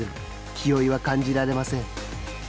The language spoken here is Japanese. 気負いは感じられません。